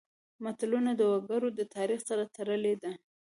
متلونه د وګړو د تاریخ سره تړلي دي